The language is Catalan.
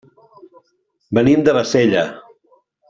Venim de Bassella.